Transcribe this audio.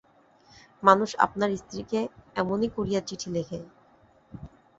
মানুষ আপনার স্ত্রীকে এমনি করিয়া চিঠি লেখে!